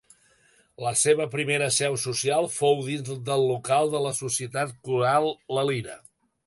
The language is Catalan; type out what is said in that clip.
La seva primera seu social fou dins del local de la Societat Coral La Lira.